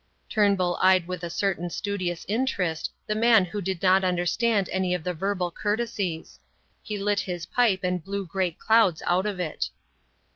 Turnbull eyed with a certain studious interest, the man who did not understand any of the verbal courtesies; he lit his pipe and blew great clouds out of it.